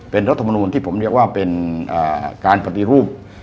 เป็นรัฐมนูลที่ผมเรียกว่าเป็นการปฏิรูป